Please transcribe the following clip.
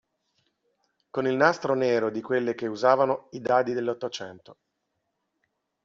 Con il nastro nero di quelle che usavano i dadi dell'Ottocento.